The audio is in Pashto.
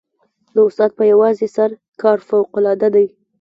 د استاد په یوازې سر کار فوقالعاده دی.